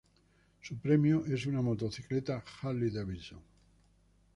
Su premio es una motocicleta Harley-Davidson.